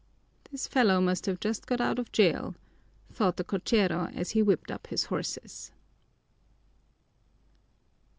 "This fellow must have just got out of jail," thought the cochero as he whipped up his horses.